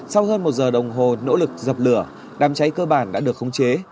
sau hơn một giờ đồng hồ nỗ lực dập lửa đám cháy cơ bản đã được khống chế